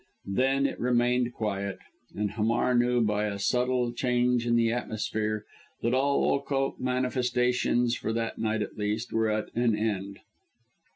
Then it remained quiet, and Hamar knew, by a subtle change in the atmosphere, that all occult manifestations for that night at least were at an end.